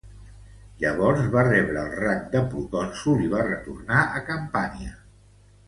Llavors va rebre el rang de procònsol i va retornar a Campània.